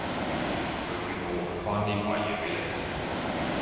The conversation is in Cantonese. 佢叫我還返呢塊嘢畀你